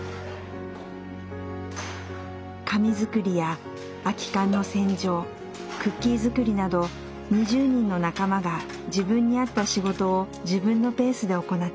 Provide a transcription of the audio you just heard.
紙作りや空き缶の洗浄クッキー作りなど２０人の仲間が自分に合った仕事を自分のペースで行っています。